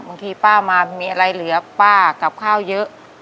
บางทีป้ามามีอะไรเหลือป้ากับข้าวเยอะ